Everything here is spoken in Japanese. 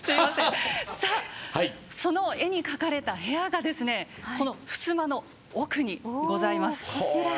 その絵に描かれた部屋がこのふすまの奥にございます。